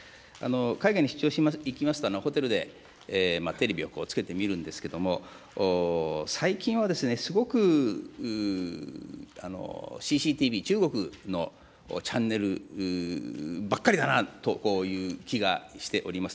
海外に出張に行きますと、ホテルでテレビをつけて見るんですけれども、最近はすごくＣＣＴＶ、中国のチャンネルばっかりだなと、こういう気がしております。